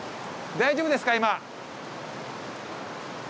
大丈夫ですか？